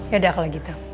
yaudah kalau gitu